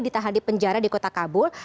ditahan di penjara di kota kabul